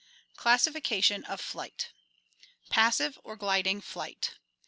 Classification of Flight Passive or Gliding Flight.